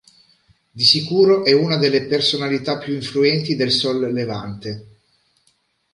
Di sicuro è una delle personalità più influenti del Sol Levante.